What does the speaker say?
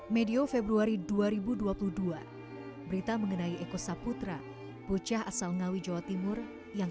medio februari dua ribu dua puluh dua berita mengenai eko saputra bocah asal ngawi jawa timur yang